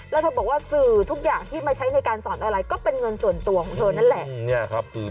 แล้วเธอบอกว่าสื่อทุกอย่างที่มาใช้ในการสอนอะไรก็เป็นเงินส่วนตัวของเธอนั่นแหละ